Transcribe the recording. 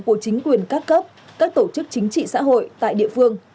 của chính quyền các cấp các tổ chức chính trị xã hội tại địa phương